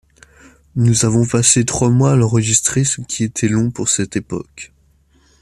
Nous avons passé trois mois à l'enregistrer, ce qui était long pour cette époque.